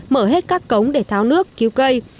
mở hết các cống để tháo nước cứu cây